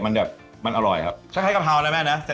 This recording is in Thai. มันแบบมันอร่อยครับถ้าใช้กะเพรานะแม่นะ